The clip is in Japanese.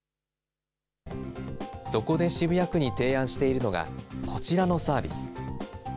そこで渋谷区に提案しているのがこちらのサービス。